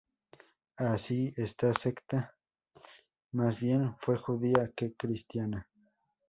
Así, esta secta más bien fue judía que cristiana.